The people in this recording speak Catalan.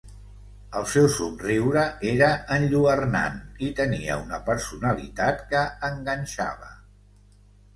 El seu somriure era enlluernant i tenia una personalitat que enganxava.